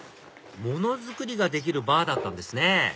物作りができるバーだったんですね